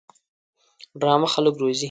ډرامه خلک روزي